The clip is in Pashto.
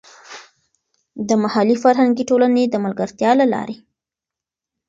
د محلي فرهنګي ټولنې د ملګرتیا له لارې.